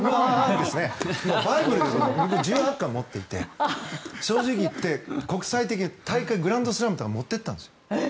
１８巻持っていて正直言って国際大会グランドスラムとかに持っていったんです。